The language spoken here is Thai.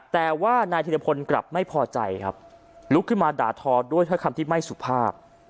แต่ว่านายธิรพลกลับไม่พอใจครับลุกขึ้นมาด่าทอด้วยถ้อยคำที่ไม่สุภาพ